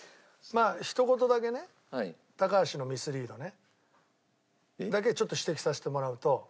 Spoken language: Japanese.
まあひと言だけね高橋のミスリードだけちょっと指摘させてもらうと。